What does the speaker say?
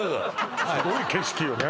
すごい景色よね